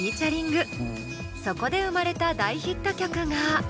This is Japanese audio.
そこで生まれた大ヒット曲が。